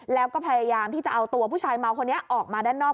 แล้วก็พยายามที่จะเอาตัวผู้ชายเมาคนนี้ออกมาด้านนอก